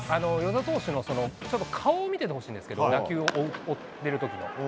與座投手のちょっと顔を見てほしいんですけど、打球を追ってるときの。